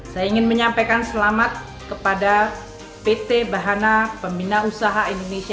saya ingin menyampaikan selamat kepada pt bahana pembina usaha indonesia